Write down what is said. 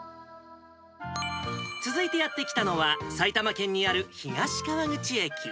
続いてやって来たのは、埼玉県にある東川口駅。